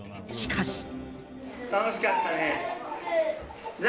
しかし。